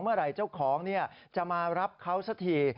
เมื่อไหร่เจ้าของจะมารับเขาสักที